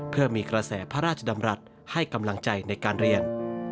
เพื่อมีกระแสพระราชดำรัฐให้กำลังใจในการเรียน